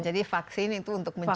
jadi vaksin itu untuk mencegah